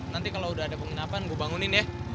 nanti kalau udah ada penginapan gue bangunin ya